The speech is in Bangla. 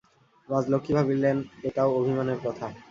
রাজলক্ষ্মী ভাবিলেন, এটাও অভিমানের কথা।